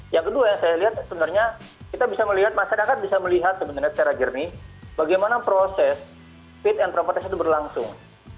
yang kedua yang saya lihat sebenarnya kita bisa melihat masyarakat bisa melihat sebenarnya secara jernih bagaimana proses fit and proper test itu berlangsung